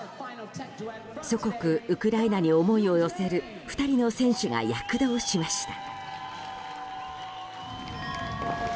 祖国ウクライナに思いを寄せる２人の選手が躍動しました。